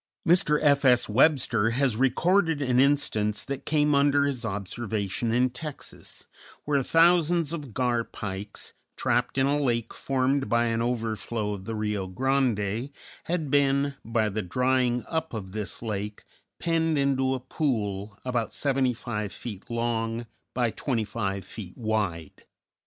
Mr. F. S. Webster has recorded an instance that came under his observation in Texas, where thousands of gar pikes, trapped in a lake formed by an overflow of the Rio Grande, had been, by the drying up of this lake, penned into a pool about seventy five feet long by twenty five feet wide.